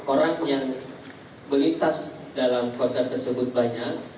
orang yang berintas dalam kontor tersebut banyak